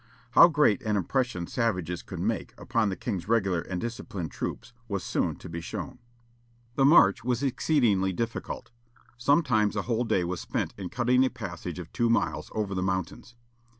How great an "impression" savages could make upon the "king's regular and disciplined troops" was soon to be shown. The march was exceedingly difficult. Sometimes a whole day was spent in cutting a passage of two miles over the mountains.